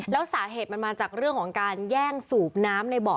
แล้วสาเหตุมันมาจากเรื่องของการแย่งสูบน้ำในเบาะ